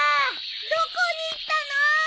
どこに行ったのー！